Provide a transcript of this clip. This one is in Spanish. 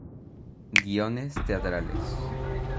Guiones teatrales